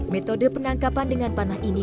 metode penangkapan dengan panah ini